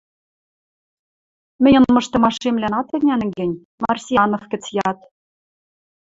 Мӹньӹн мыштымашемлӓн ат ӹнянӹ гӹнь, Марсианов гӹц яд.